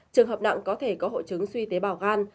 trường hợp nặng có thể có hộ trứng suy tế bào gan